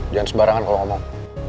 jangan sebarangan kalau ngomong